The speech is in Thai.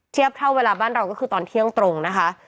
เท่าเวลาบ้านเราก็คือตอนเที่ยงตรงนะคะ